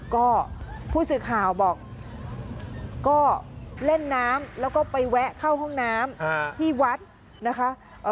ก็ผู้สื่อข่าวบอกก็เล่นน้ำแล้วก็ไปแวะเข้าห้องน้ำที่วัดนะคะ